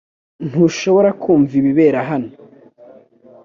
Ntushobora kumva ibibera hano